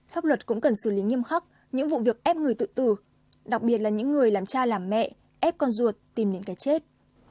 pháp luật cũng cần xử lý nghiêm khắc những vụ việc ép người tự tử đặc biệt là những người làm cha làm mẹ ép con ruột tìm đến cái chết